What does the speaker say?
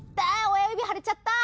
親指腫れちゃった！」。